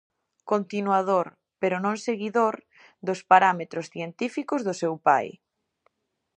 Continuador, pero non seguidor, dos parámetros científicos do seu pai.